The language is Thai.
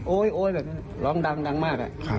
โอ๊ยแบบร้องดังมาก